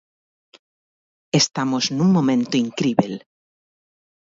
Estamos nun momento incríbel.